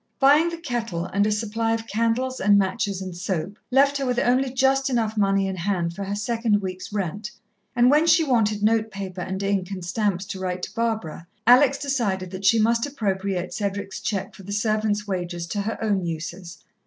Buying the kettle, and a supply of candles and matches and soap, left her with only just enough money in hand for her second week's rent, and when she wanted notepaper and ink and stamps to write to Barbara, Alex decided that she must appropriate Cedric's cheque for the servants' wages to her own uses.